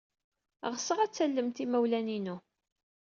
Ɣseɣ ad tallemt imawlan-inu.